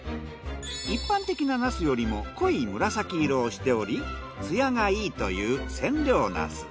一般的ななすよりも濃い紫色をしておりツヤが良いという千両なす。